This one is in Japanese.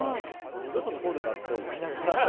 二度と通るかと思いながら。